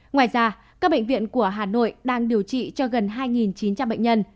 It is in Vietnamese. ngoài ra các bệnh viện của hà nội đang điều trị cho gần hai chín trăm linh bệnh nhân